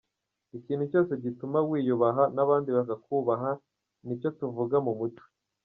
Ikintu cyose gituma wiyubaha n’abandi bakakubaha ni cyo tuvuga mu muco.